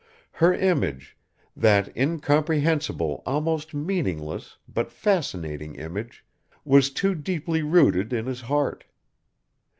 Her image that incomprehensible, almost meaningless, but fascinating image was too deeply rooted in his heart.